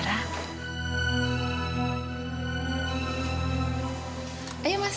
kayaknya pak prabu ada di kamar zahira